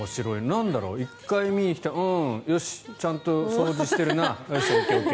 なんだろう、１回見に来てよし、ちゃんと掃除してるなＯＫ、ＯＫ。